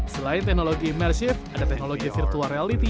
selain teknologi imersif ada teknologi virtual reality